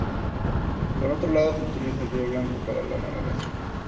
Por otro lado, se utiliza el río Blanco para la navegación.